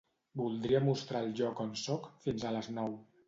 Voldria mostrar el lloc on soc fins a les nou.